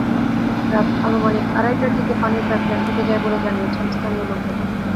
রাত আনুমানিক আড়াইটার দিকে পানির পাইপলাইন ফেটে যায় বলে জানিয়েছেন স্থানীয় লোকজন।